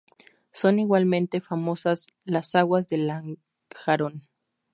Son igualmente famosas las aguas de Lanjarón.